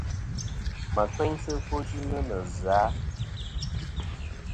Mà kfeynsɨ ɨfwoyɨnɨ nɨ zɨ-a ?